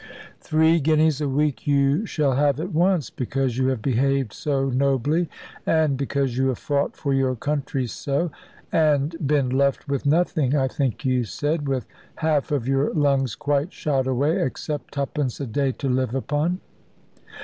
"Three guineas a week you shall have at once; because you have behaved so nobly, and because you have fought for your country so, and been left with nothing (I think you said), with half of your lungs quite shot away, except twopence a day to live upon!"